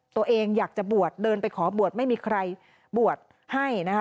ตัวเองอยากจะบวชเดินไปขอบวชไม่มีใครบวชให้นะคะ